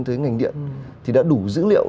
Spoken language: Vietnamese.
tới ngành điện thì đã đủ dữ liệu